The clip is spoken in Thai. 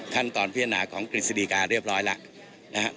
ขั้นตอนพิจารณาของกริสดิกาเรียบร้อยแล้ว